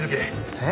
えっ？